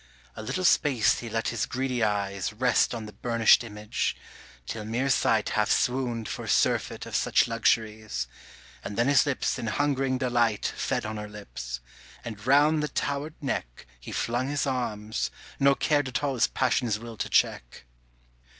A little space he let his greedy eyes Rest on the burnished image, till mere sight Half swooned for surfeit of such luxuries, And then his lips in hungering delight Fed on her lips, and round the towered neck He flung his arms, nor cared at all his passion's will to check.